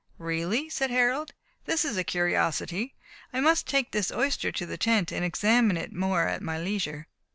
"Really," said Harold, "this is a curiosity. I must take this oyster to the tent, and examine it more at my leisure."